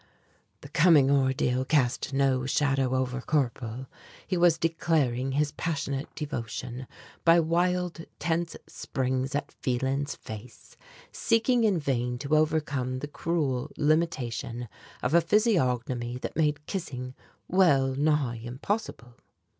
The coming ordeal cast no shadow over Corporal. He was declaring his passionate devotion, by wild tense springs at Phelan's face, seeking in vain to overcome the cruel limitation of a physiognomy that made kissing well nigh impossible.